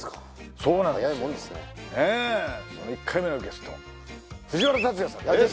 その１回目のゲストは藤原竜也さんです